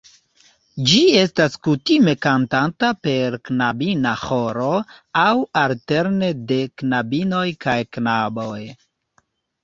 Ĝi estas kutime kantata per knabina ĥoro aŭ alterne de knabinoj kaj knaboj.